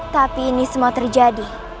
tapi ini semua terjadi